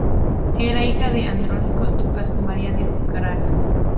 Era hija de Andrónico Ducas y María de Bulgaria.